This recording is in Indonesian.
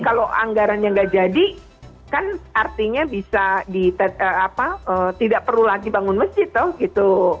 kalau anggaran yang gak jadi kan artinya bisa di apa tidak perlu lagi bangun masjid gitu